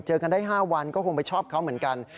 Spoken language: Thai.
เจอกันได้๕วันก็คงไปชอบเขาเหมือนกัน